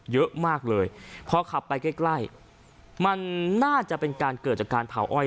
เยอะมากเลยพอขับไปใกล้ใกล้มันน่าจะเป็นการเกิดจากการเผาอ้อย